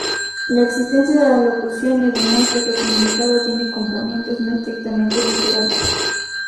La existencia de las locuciones demuestra que el significado tiene componentes no estrictamente literales.